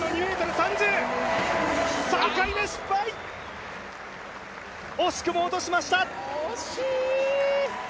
３回目、失敗、惜しくも落としました